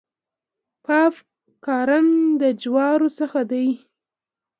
پاپ کارن د جوارو څخه دی.